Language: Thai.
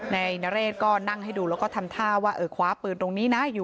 นาเรชก็นั่งให้ดูแล้วก็ทำท่าว่าขวาปืนตรงนี้นะ